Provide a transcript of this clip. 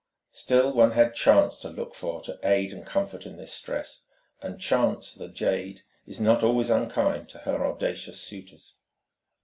Still one had Chance to look to for aid and comfort in this stress; and Chance, the jade, is not always unkind to her audacious suitors.